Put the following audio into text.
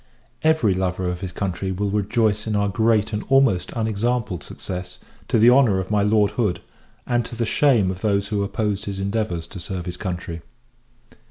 Every lover of his country will rejoice in our great and almost unexampled success, to the honour of my Lord Hood, and to the shame of those who opposed his endeavours to serve his country.